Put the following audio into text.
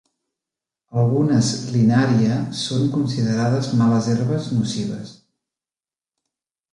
Algunes "Linaria" són considerades males herbes nocives.